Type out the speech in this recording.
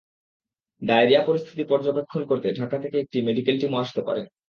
Diarrhoea পরিস্থিতি পর্যবেক্ষণ করতে ঢাকা থেকে একটি মেডিকেল টিমও আসতে পারে।